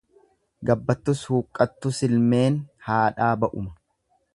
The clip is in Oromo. Gabbattus huqqattusilmeen haadhaa ba'uma.